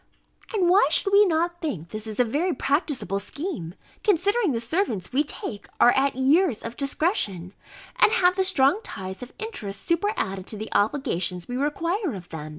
And why should we not think this a very practicable scheme, considering the servants we take are at years of discretion, and have the strong ties of interest superadded to the obligations we require of them?